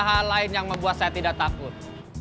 hal lain yang membuat saya tidak takut